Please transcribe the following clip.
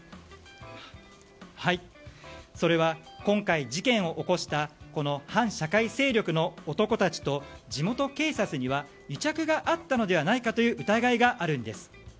それは、今回事件を起こした反社会勢力の男たちと地元警察には癒着があったのではないかという疑いがあるんです。